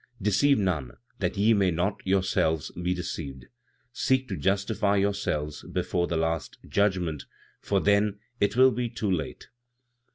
"Deceive none, that ye may not yourselves be deceived; seek to justify yourselves before the last judgment, for then it will be too late.